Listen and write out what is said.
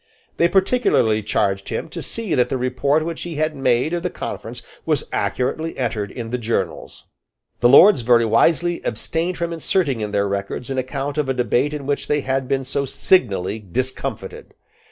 They particularly charged him to see that the report which he had made of the conference was accurately entered in the journals. The Lords very wisely abstained from inserting in their records an account of a debate in which they had been so signally discomfited.